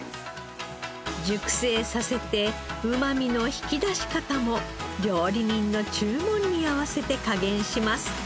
熟成させてうまみの引き出し方も料理人の注文に合わせて加減します。